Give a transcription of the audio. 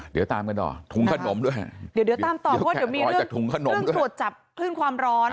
เดี๋ยวตามกันต่อถุงขนมด้วยเดี๋ยวตามต่อเพราะว่าเดี๋ยวมีเรื่องสวดจับขึ้นความร้อน